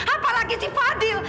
apalagi si fadil